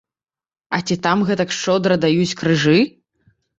А ці там гэтак шчодра даюць крыжы?